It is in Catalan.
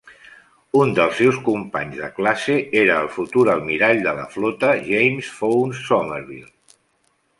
Un dels seus companys de classe era el futur almirall de la flota James Fownes Somerville.